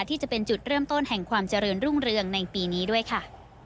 ที่จะเป็นจุดเริ่มต้นแห่งความเจริญรุ่งเรืองในปีนี้ด้วยค่ะ